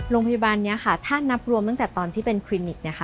โรงพยาบาลนี้ถ้านับรวมตั้งแต่ตอนที่เป็นคลินิก